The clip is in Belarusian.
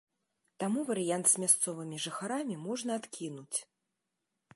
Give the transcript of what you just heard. Таму варыянт з мясцовымі жыхарамі можна адкінуць.